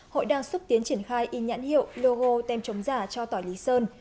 hội đang xúc tiến triển khai in nhãn hiệu logo tem chống giả cho tỏi lý sơn